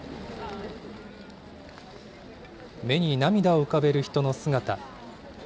目に涙を浮かべる人の姿。